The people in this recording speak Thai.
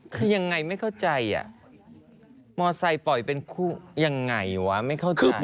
ครึ่งยังไงไม่เข้าใจอย่างไร